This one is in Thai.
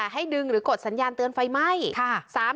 ให้ดึงหรือกดสัญญาณเตือนไฟไหม้